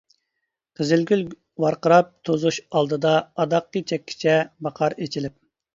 قىزىل گۈل ۋارقىراپ توزۇش ئالدىدا، ئاداققى چەككىچە باقار ئېچىلىپ.